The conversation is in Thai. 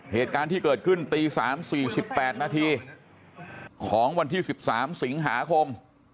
เหตุการณ์ที่เกิดขึ้นตี๓๔๘นาทีของวันที่๑๓สิงหาคม